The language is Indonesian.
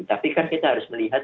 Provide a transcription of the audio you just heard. tapi kan kita harus melihat